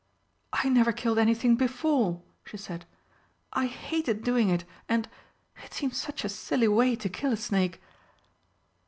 "I never killed anything before," she said. "I hated doing it, and it seems such a silly way to kill a snake!"